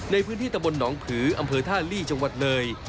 ในพื้นที่ตะบนหนองผืออำเภอท่าลีจังหวัดเลย